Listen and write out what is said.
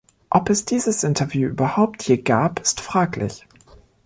Ob es dieses Interview überhaupt je gab, ist fraglich.